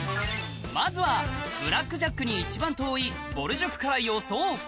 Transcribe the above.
まずはブラックジャックに一番遠いぼる塾から予想